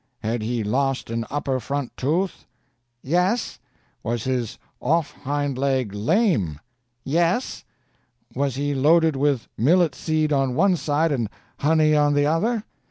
"Had he lost an upper front tooth?" "Yes." "Was his off hind leg lame?" "Yes." "Was he loaded with millet seed on one side and honey on the other?"